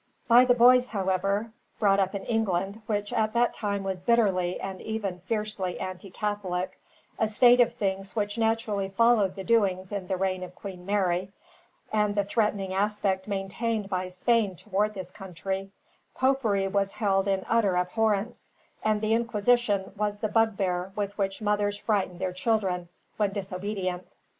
By the boys, however, brought up in England, which at that time was bitterly and even fiercely anti Catholic a state of things which naturally followed the doings in the reign of Queen Mary, and the threatening aspect maintained by Spain towards this country popery was held in utter abhorrence, and the Inquisition was the bugbear with which mothers frightened their children, when disobedient.